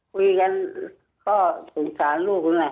คุยกันก็สงสารลูกนั่นแหละ